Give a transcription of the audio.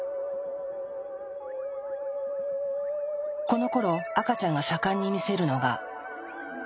このころ赤ちゃんが盛んに見せるのが。